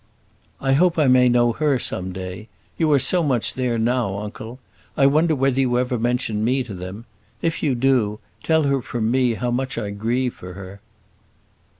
"I hope I may know her some day. You are so much there now, uncle; I wonder whether you ever mention me to them. If you do, tell her from me how much I grieve for her."